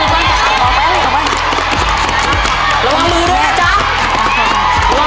ไปเร็ว